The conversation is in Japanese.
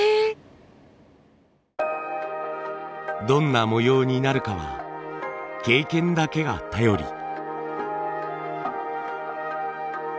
どんな模様になるかは経験だけが頼り。